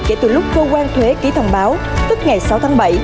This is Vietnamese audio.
kể từ lúc cơ quan thuế ký thông báo tức ngày sáu tháng bảy